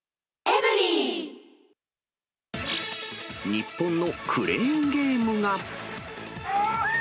日本のクレーンゲームが。